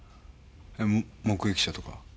目撃者とかは？